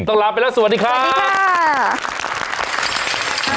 ต้องลาไปแล้วสวัสดีค่ะสวัสดีค่ะ